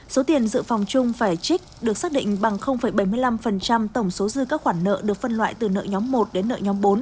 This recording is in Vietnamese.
số tiền dự phòng chung phải trích được xác định bằng bảy mươi năm tổng số dư các khoản nợ được phân loại từ nợ nhóm một đến nợ nhóm bốn